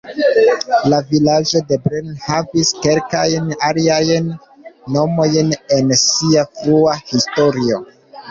La vilaĝo de Blair havis kelkajn aliajn nomojn en sia frua historio.